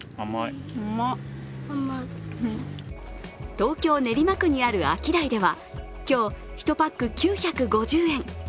東京・練馬区にあるアキダイでは今日、１パック９５０円。